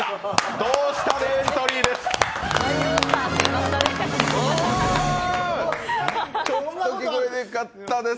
「どうした」でエントリーです。